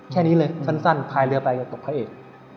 แค่นี้เลยสั้นพายเรือไปอย่าตกพระเอก